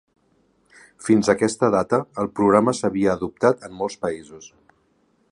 Fins a aquesta data, el programa s'havia adoptat en molts països.